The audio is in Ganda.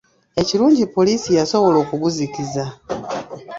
Ekirungi poliisi yasobola okuguzikiza.